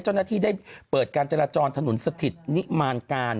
เจ้าหน้าที่ได้เปิดการจราจรถนนสถิตนิมานการ